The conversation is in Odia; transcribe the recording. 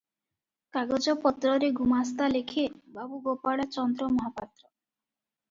କାଗଜପତ୍ରରେ ଗୁମାସ୍ତା ଲେଖେ, 'ବାବୁ ଗୋପାଳ ଚନ୍ଦ୍ର ମହାପାତ୍ର' ।